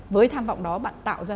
với tham vọng đó bạn tạo ra